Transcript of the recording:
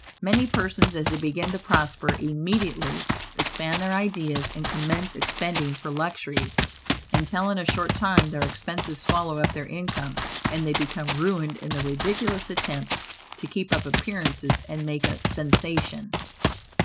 Many persons, as they begin to prosper, immediately expand their ideas and commence expending for luxuries, until in a short time their expenses swallow up their income, and they become ruined in their ridiculous attempts to keep up appearances, and make a "sensation."